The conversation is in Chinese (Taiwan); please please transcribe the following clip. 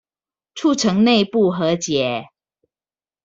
促成內部和解